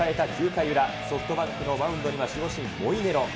９回裏、ソフトバンクのマウンドには守護神、モイネロ。